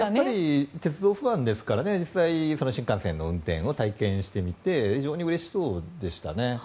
鉄道ファンですから実際に新幹線の運転を体験してみて非常にうれしそうでしたね。